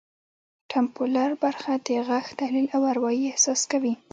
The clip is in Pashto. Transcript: ټمپورل برخه د غږ تحلیل او اروايي احساس کوي